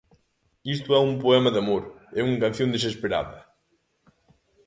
Isto é un poema de amor e unha canción desesperada.